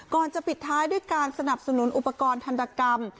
ก่อนจะปิดท้ายด้วยการสนับสนุนอุปกรณ์ทันตกรรม